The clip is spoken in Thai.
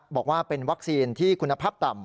บอกว่าเป็นวัคซีนที่คุณภาพต่ำ